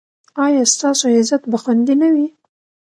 ایا ستاسو عزت به خوندي نه وي؟